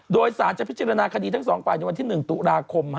โดยศาสตร์จะพิจารณาคดีทั้ง๒ภายในวันที่๑ตุลาคม